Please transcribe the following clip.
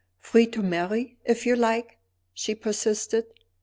"Free to marry, if you like?" she persisted.